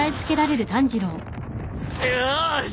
よし！